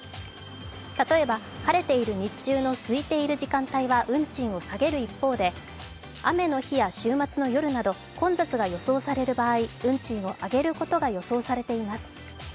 例えば晴れている日中のすいている時間帯は運賃を下げる一方で雨の日や週末の夜など混雑が予想される場合運賃を上げることが予想されています。